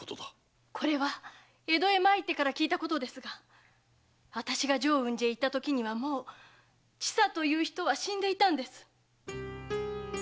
江戸に来てから聞いたことですが私が浄雲寺へ行ったときにはもう千佐という人は死んでいたんです。